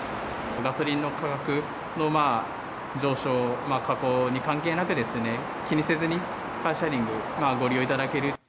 ガソリンの価格の上昇、下降に関係なく、気にせずにカーシェアリングご利用いただける。